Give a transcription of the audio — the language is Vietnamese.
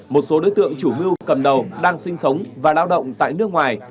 một số đối tượng chủ mưu cầm đầu đang sinh sống và lao động tại nước ngoài